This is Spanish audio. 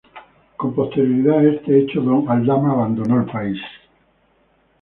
Con posterioridad a este hecho Don Aldama abandonó el país.